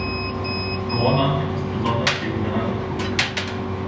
Norrland ist besonders wegen seiner Natur bekannt.